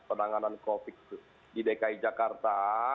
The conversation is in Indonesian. penanganan covid sembilan belas di dki jakarta